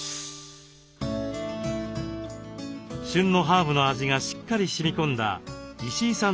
旬のハーブの味がしっかりしみ込んだ石井さん